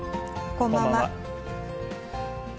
こんばんは。